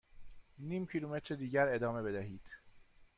نیم کیلومتر دیگر ادامه بدهید.